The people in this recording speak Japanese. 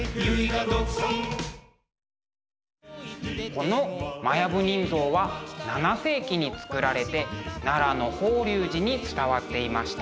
この「摩耶夫人像」は７世紀に造られて奈良の法隆寺に伝わっていました。